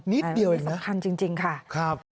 นิดเดียวเองนะครับหนีทันจริงค่ะ